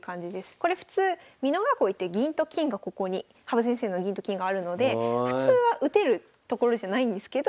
これ普通美濃囲いって銀と金がここに羽生先生の銀と金があるので普通は打てるところじゃないんですけど。